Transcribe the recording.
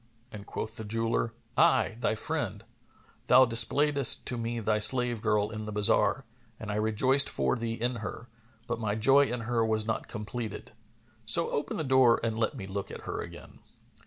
and quoth the jeweller, "I, thy friend; thou displayedst to me thy slave girl in the bazar, and I rejoiced for thee in her, but my joy in her was not completed; so open the door and let me look at her again."